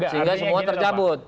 sehingga semua tercabut